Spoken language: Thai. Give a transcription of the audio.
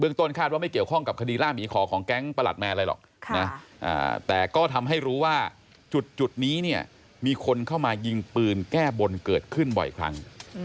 ต้นคาดว่าไม่เกี่ยวข้องกับคดีล่าหมีขอของแก๊งประหลัดแมนอะไรหรอกนะแต่ก็ทำให้รู้ว่าจุดนี้เนี่ยมีคนเข้ามายิงปืนแก้บนเกิดขึ้นบ่อยครั้ง